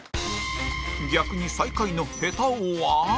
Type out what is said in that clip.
逆に最下位のヘタ王は？